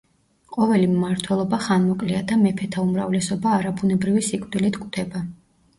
ყოველი მმართველობა ხანმოკლეა და მეფეთა უმრავლესობა არაბუნებრივი სიკვდილით კვდება.